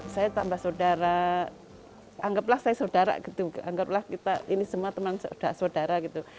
saya tambah saudara anggaplah saya saudara gitu anggaplah kita ini semua teman saudara gitu